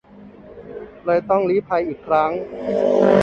เลยต้องลี้ภัยอีกครั้ง